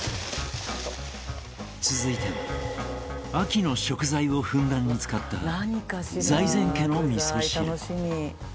続いては秋の食材をふんだんに使った財前家の味噌汁。